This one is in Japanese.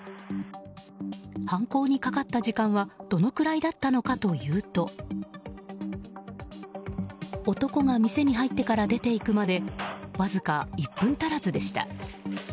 犯行にかかった時間はどのくらいだったのかというと男が店に入ってから出て行くまでわずか１分足らずでした。